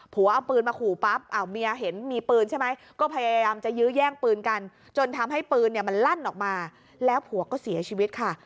เอาปืนมาขู่ปั๊บเมียเห็นมีปืนใช่ไหมก็พยายามจะยื้อแย่งปืนกันจนทำให้ปืนเนี่ยมันลั่นออกมาแล้วผัวก็เสียชีวิตค่ะ